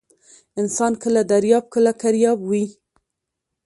انسان کله درياب ، کله کرياب وى.